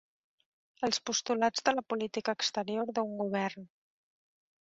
Els postulats de la política exterior d'un govern.